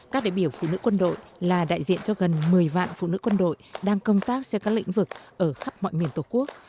các đại biểu phụ nữ quân đội là đại diện cho gần một mươi vạn phụ nữ quân đội đang công tác ra các lĩnh vực ở khắp mọi miền tổ quốc